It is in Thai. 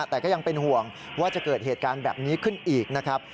แต่ก็ยังเป็นห่วงว่าจะเกิดเหตุการณ์แบบนี้ขึ้นอีกนะครับ